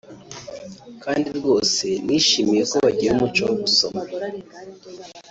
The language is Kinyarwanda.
kandi rwose nishimiye ko bagira umuco wo gusoma